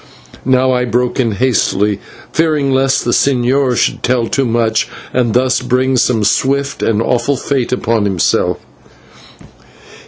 Now I broke in hastily, fearing lest the señor should tell too much, and thus bring some swift and awful fate upon himself.